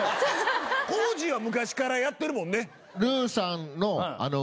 コージーは昔からやってるもんね。